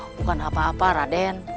bukan apa apa raden